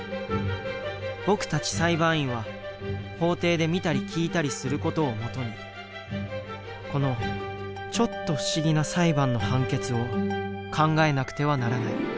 僕たち裁判員は法廷で見たり聞いたりする事を基にこのちょっと不思議な裁判の判決を考えなくてはならない。